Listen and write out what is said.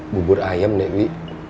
bubur ayam dewi